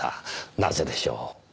なぜでしょう？